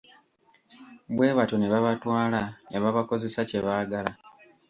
Bwe batyo ne babatwala, ne babakozesa kye baagala.